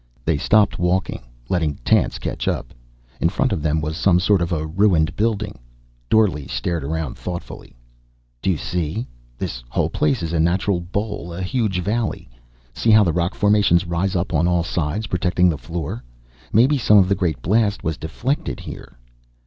They stopped walking, letting Tance catch up. In front of them was some sort of a ruined building. Dorle stared around thoughtfully. "Do you see? This whole place is a natural bowl, a huge valley. See how the rock formations rise up on all sides, protecting the floor. Maybe some of the great blast was deflected here."